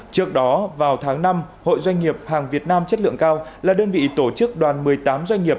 trước đó vào tháng năm hội doanh nghiệp hàng việt nam chất lượng cao là đơn vị tổ chức đoàn một mươi tám doanh nghiệp